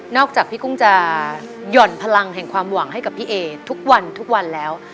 จากพี่กุ้งจะหย่อนพลังแห่งความหวังให้กับพี่เอทุกวันทุกวันแล้ว